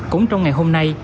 cũng trong ngày hôm nay